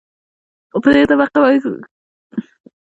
په دې طبقه کې باید غټې ډبرې پاتې نشي